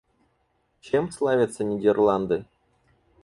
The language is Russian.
Чем славятся Нидерланды?